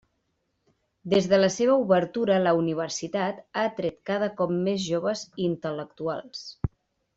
Des de la seva obertura, la universitat ha atret cada cop més joves i intel·lectuals.